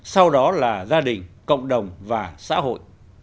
sau đó là gia đình cộng đồng và xã hội